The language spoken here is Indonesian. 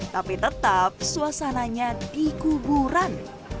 tapi tetap suasananya di kuburan